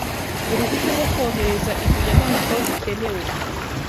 uruhushya rwo kohereza izi nyamaswa aho zikenewe